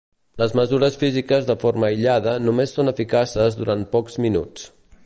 Les mesures físiques de forma aïllada només són eficaces durant pocs minuts.